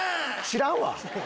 知らんわ！